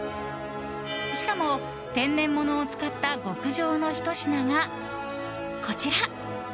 しかも、天然物を使った極上のひと品がこちら。